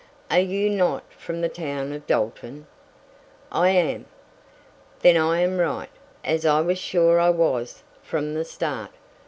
Are you not from the town of Dalton?" "I am." "Then I am right, as I was sure I was from the start.